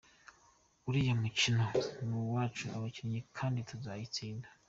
Uriya mukino ni uwacu abakinnyi kandi tuzayitsinda.